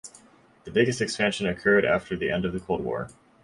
The biggest expansion occurred after the end of the Cold War.